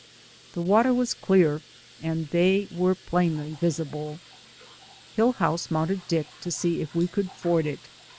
The water was clear, and they were plainly visible. Hill house mounted Dick to see if we could ford it.